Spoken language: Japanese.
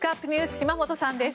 島本さんです。